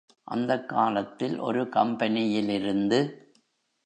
அந்தக் காலத்தில் ஒரு கம்பெனியிலிருந்து.